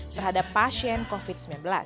terhadap pasien covid sembilan belas